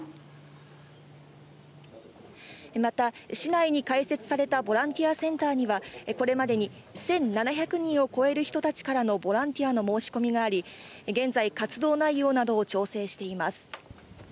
また、市内に開設されたボランティアセンターには、これまでに１７００人を超える人たちからのボランティアの申し込みがあり、現在、活動内容などを調整しています。